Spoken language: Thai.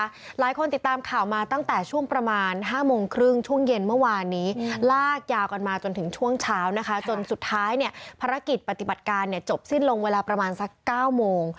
หลายคนติดตามข่าวมาตั้งแต่ช่วงประมาณห้าโมงครึ่งช่วงเย็นเมื่อวานนี้ลากยาวกันมาจนถึงช่วงเช้านะคะจนสุดท้ายเนี่ยภารกิจปฏิบัติการเนี่ยจบสิ้นลงเวลาประมาณสักเก้าโมง